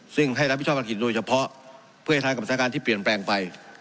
ซึ่งให้รับพิชาปัญหาผลขิตโดยเฉพาะเพื่อให้ทางการประสาทการณ์ที่เปลี่ยนแปลงไป